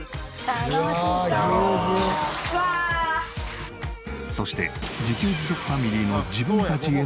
そして自給自足ファミリーの自分たちへのごほうびとは？